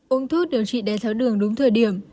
uống thuốc điều trị đé tháo đường đúng thời điểm